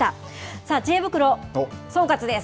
さあ、ちえ袋、総括です。